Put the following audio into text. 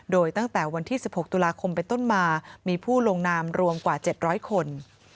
โดยตั้งแต่วันที่๑๖ตุลาคมไปต้นมามีผู้ลงนามรวมกว่า๗๐๐คน